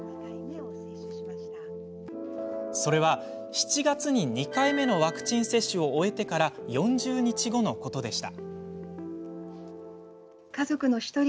それは７月に２回目のワクチン接種を終えてから４０日後のことでした。